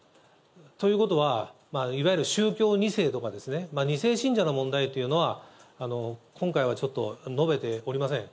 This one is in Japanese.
ということは、いわゆる宗教２世とか、２世信者の問題というのは、今回はちょっと述べておりません。